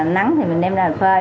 nắng thì mình đem ra phơi